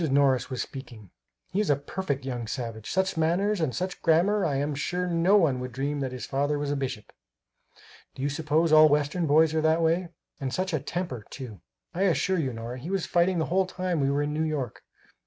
Morris was speaking: "He is a perfect young savage! Such manners, and such grammar I am sure no one would dream that his father was a bishop. Do you suppose all Western boys are that way? And such a temper, too! I assure you, Nora, he was fighting the whole time we were in New York.